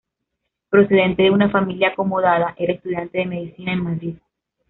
Procedente de una familia acomodada, era estudiante de medicina en Madrid.